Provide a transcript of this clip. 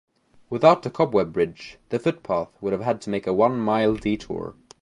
Without the Cobweb Bridge, the footpath would have had to make a one-mile detour.